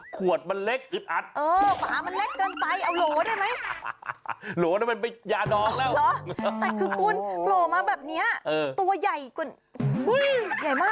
คุณอุ้ยใหญ่มากแบบนี้ตกใจนะ